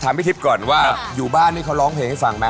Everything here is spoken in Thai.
ถามให้ทริปก่อนว่าอยู่บ้านเขาร้องเพลงให้ฟังมั้ย